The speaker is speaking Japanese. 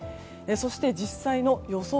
そして、実際の予想